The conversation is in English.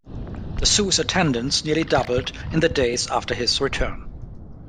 The zoo's attendance nearly doubled in the days after his return.